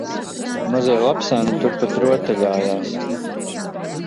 Mazie lapsēni turpat rotaļājās